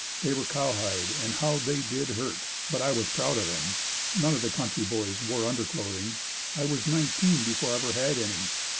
They were cowhide and how they did hurt, but I was proud of them. None of the country boys wore underclothing. I was nineteen before I ever had any.